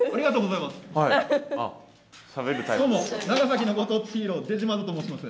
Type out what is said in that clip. どうも長崎のご当地ヒーローデジマードと申します。